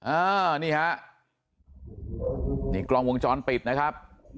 อ่านี่ฮะนี่กล้องวงจรปิดนะครับ